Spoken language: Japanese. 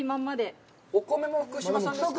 お米も福島産ですか。